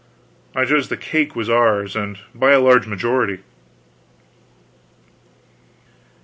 I judged that the cake was ours, and by a large majority.